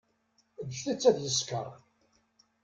Ǧǧet-tt ad yeskeṛ.